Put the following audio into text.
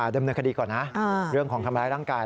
ดำเนินคดีก่อนนะเรื่องของทำร้ายร่างกาย